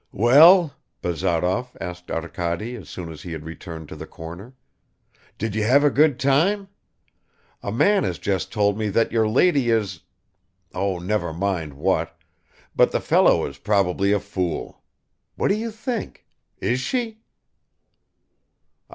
"Well?" Bazarov asked Arkady as soon as he had returned to the corner. "Did you have a good time? A man has just told me that your lady is oh never mind what but the fellow is probably a fool. What do you think? Is she?"